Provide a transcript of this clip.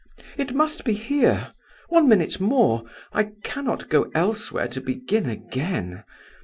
"It must be here; one minute more I cannot go elsewhere to begin again.